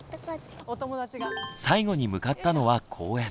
最後に向かったのは公園。